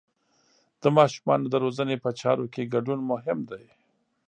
د ماشومانو د روزنې په چارو کې ګډون مهم دی.